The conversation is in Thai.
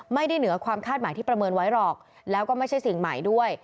เหนือความคาดหมายที่ประเมินไว้หรอกแล้วก็ไม่ใช่สิ่งใหม่ด้วย